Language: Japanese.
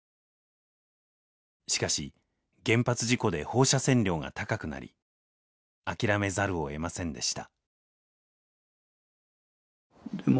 しかし原発事故で放射線量が高くなり諦めざるをえませんでした。